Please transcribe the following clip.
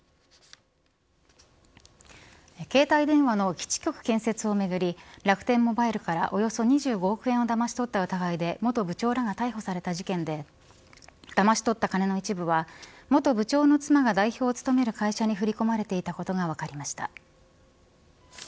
携帯電話の基地局建設をめぐり楽天モバイルからおよそ２５億円をだまし取った疑いで元部長らが逮捕された事件でだまし取った金の一部は元部長の妻が代表を務める会社に振り込まれていたことが分かりました。